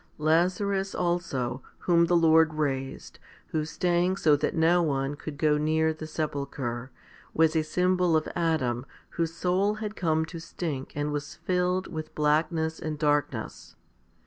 Lazarus also, whom the Lord raised, who stank so that no one could go near the sepulchre, was a symbol of Adam whose soul had come to stink and was filled with blackness and darkness.